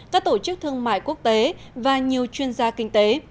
các tổ chức thương mại quốc tế và nhiều chuyên gia kinh tế